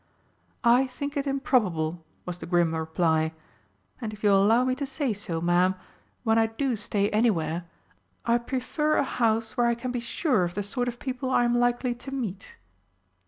"I think it improbable," was the grim reply. "And if you'll allow me to say so, Ma'am, when I do stay anywhere, I prefer a house where I can be sure of the sort of people I am likely to meet."